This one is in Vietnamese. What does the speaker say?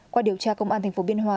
qua điều tra công an thành phố biên hòa